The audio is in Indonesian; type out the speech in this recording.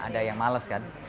ada yang males kan